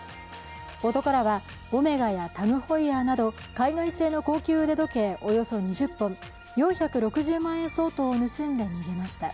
男らはオメガやタグホイヤーなど海外製の高級腕時計およそ２０本、４６０万円相当を盗んで逃げました。